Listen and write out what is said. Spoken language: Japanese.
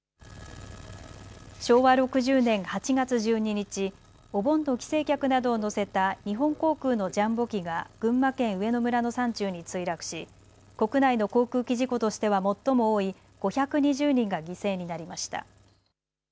昭和６０年８月１２日、お盆の帰省客などを乗せた日本航空のジャンボ機が群馬県上野村の山中に墜落し国内の航空機事故としては最も多い５２０人が犠牲になりました。